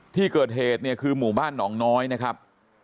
ที่เกิดเหตุเนี่ยคือหมู่บ้านหนองน้อยนะครับ